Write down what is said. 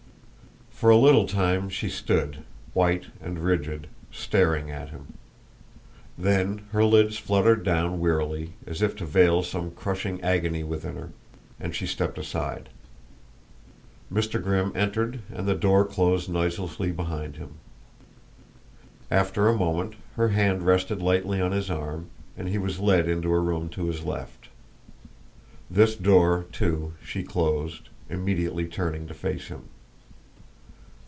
For a little time she stood, white and rigid, staring at him. Then her lids fluttered down wearily, as if to veil some crushing agony within her, and she stepped aside. Mr. Grimm entered and the door closed noiselessly behind him. After a moment her hand rested lightly on his arm, and he was led into a room to his left. This door, too, she closed, immediately turning to face him.